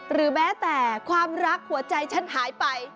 หรือแม้แต่ความรักหัวใจฉันหายไป